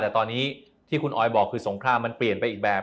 แต่ตอนนี้ที่คุณออยบอกคือสงครามมันเปลี่ยนไปอีกแบบ